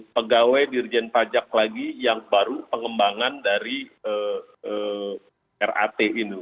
pegawai dirjen pajak lagi yang baru pengembangan dari rat ini